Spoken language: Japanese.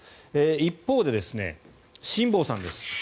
一方で辛坊さんです。